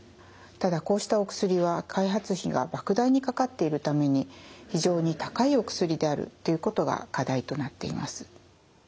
ただこうしたお薬は開発費がばく大にかかっているために非常に高いお薬であるということが課題となっています。